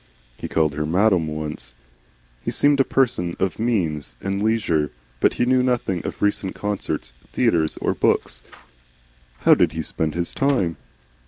He called her I Madam' once. He seemed a person of means and leisure, but he knew nothing of recent concerts, theatres, or books. How did he spend his time?